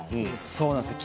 そうなんですよ。